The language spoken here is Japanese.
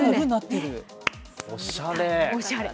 おしゃれ。